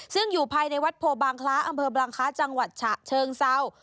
ซึ่งอยู่ภายในวัดโพบางคล้าอำเภอบางคล้าจังหวัดฉะเชิงเศร้า